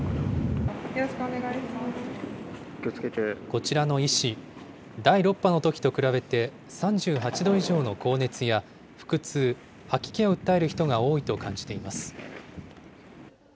こちらの医師、第６波のときと比べて、３８度以上の高熱や腹痛、吐き気を訴える人が多いと感じています。